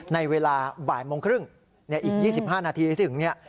ในเวลาบ่ายโมงครึ่งอีก๒๕นาทีถึง